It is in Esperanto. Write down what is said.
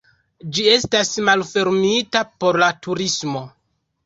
Ĝi estas malfermita por la turismo.